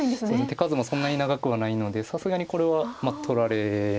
手数もそんなに長くはないのでさすがにこれは取られに近いと思います。